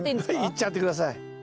いっちゃって下さい。